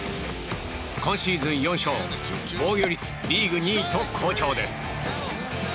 今シーズン４勝防御率リーグ２位と好調です。